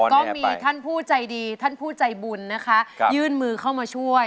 ก็มีท่านผู้ใจดีท่านผู้ใจบุญนะคะยื่นมือเข้ามาช่วย